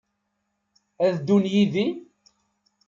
Ad ddun yid-i?